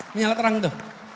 menyala terang itu